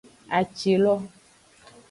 Atilo.